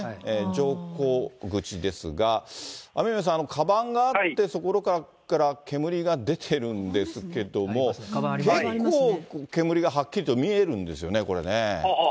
乗降口ですが、雨宮さん、かばんがあって、そこから煙が出てるんですけれども、結構煙がはっきりと見えるんですよね、これね。